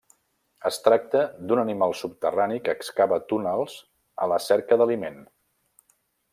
Es tracta d'un animal subterrani que excava túnels a la cerca d'aliment.